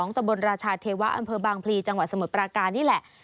ตะบนราชาเทวะอำเภอบางพลีจังหวัดสมุทรปราการนี่แหละ